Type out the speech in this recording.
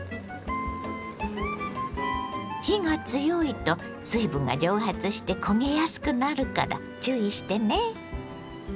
火が強いと水分が蒸発して焦げやすくなるから注意してね。